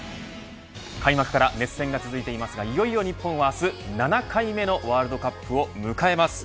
開幕から熱戦が続いていますがいよいよ日本は、明日７回目のワールドカップを迎えます。